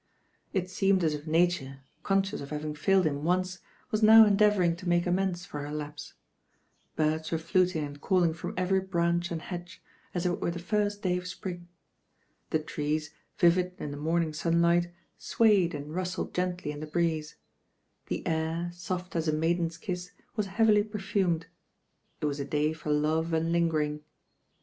It seemed as if Nature, conscious of having faUed hun once, was now endeavouring to make amends for her lapse. Birds were fiuting and caUing from every branch and hedge, as if it were the first day of Sprmg. The trees, vivid in the morning sunlight, •wayed and rustled gently in the breeze; the air, •oft as a maiden's kiss, was heavily perfumed. It was a day for love and lingering.